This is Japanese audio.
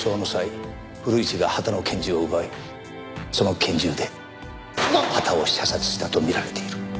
古市が羽田の拳銃を奪いその拳銃で羽田を射殺したと見られている。